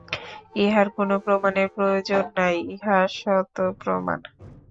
ইহার কোন প্রমাণের প্রয়োজন নাই, ইহা স্বতঃপ্রমাণ।